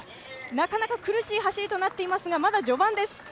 なかなか苦しい走りとなっていますがまだ序盤です。